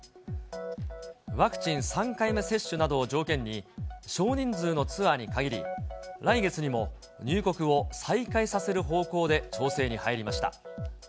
ワクチン３回目接種などを条件に、少人数のツアーに限り、来月にも入国を再開させる方向で調整に入りました。